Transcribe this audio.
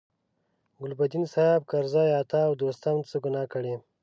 ګلبدین، سیاف، کرزي، عطا او دوستم څه ګناه کړې.